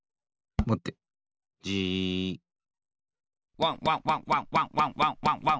ワンワンワンワンワンワンワンワンワン。